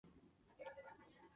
Nació en Molde.